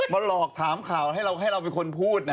มันหลอกถามข่าวให้เราเป็นคนพูดนะ